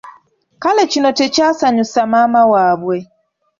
Kale kino tekyasanyusa maama waabwe.